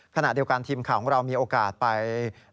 ขณะเดียวกันทีมข่าวของเรามีโอกาสไป